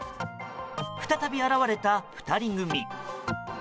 再び現れた２人組。